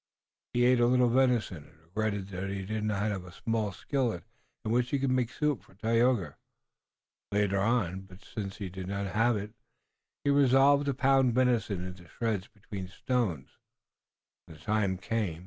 He ate a little venison and regretted that he did not have a small skillet in which he could make soup for Tayoga later on, but since he did not have it he resolved to pound venison into shreds between stones, when the time came.